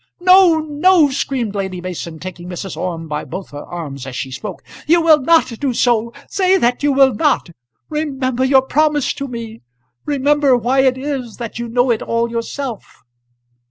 "No, no," screamed Lady Mason, taking Mrs. Orme by both her arms as she spoke. "You will not do so: say that you will not. Remember your promise to me. Remember why it is that you know it all yourself."